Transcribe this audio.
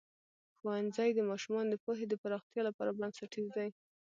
ښوونځی د ماشومانو د پوهې د پراختیا لپاره بنسټیز دی.